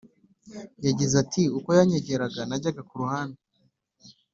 yagize ati “uko yanyegeraga najyaga ku ruhande